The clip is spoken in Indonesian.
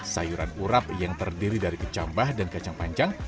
sayuran urap yang terdiri dari kecambah dan kacang panjang